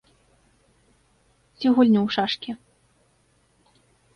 Ці гульню ў шашкі.